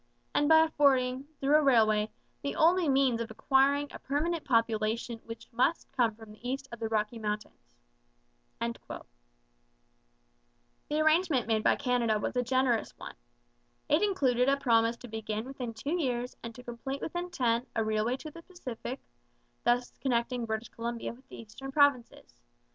and by affording, through a railway, the only means of acquiring a permanent population which must come from the east of the Rocky Mountains. The arrangement made by Canada was a generous one. It included a promise to begin within two years and to complete within ten a railway to the Pacific, thus connecting British Columbia with the eastern provinces.